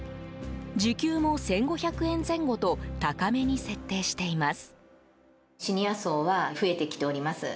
時給も１５００円前後と高めに設定しています。